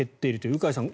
鵜飼さん